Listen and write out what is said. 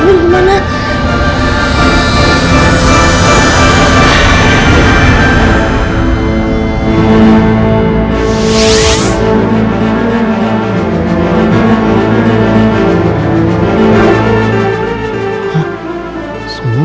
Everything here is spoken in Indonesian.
terima kasih juga